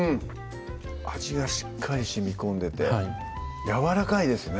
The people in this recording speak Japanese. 味がしっかりしみこんでてやわらかいですね